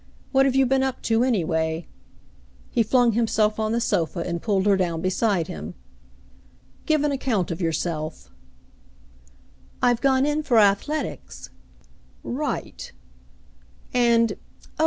What have you been up to, anyway .^" He flung himself on the sofa and pulled her down beside him. "Give an account of yourself." "I've gone in for athletics,'* 228 The Mountain Girl "Right." "And — Oh !